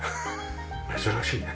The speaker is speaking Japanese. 珍しいね。